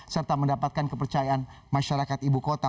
serta mendapatkan kepercayaan masyarakat ibu kota